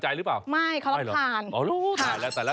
โอ้เฮววีเมทัลเลย